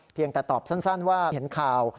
เพียงแต่ตอบสั้นว่าเห็นข่าว